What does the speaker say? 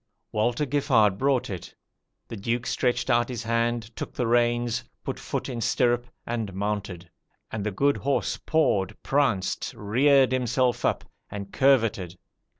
Walter Giffard brought it. The Duke stretched out his hand, took the reins, put foot in stirrup, and mounted; and the good horse pawed, pranced, reared himself up, and curvetted.